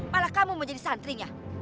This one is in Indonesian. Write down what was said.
malah kamu menjadi santrinya